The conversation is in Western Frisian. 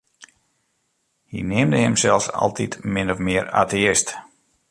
Hy neamde himsels altyd min of mear ateïst.